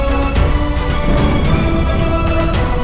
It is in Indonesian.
uang itu buat apa